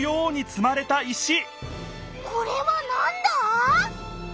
これはなんだ？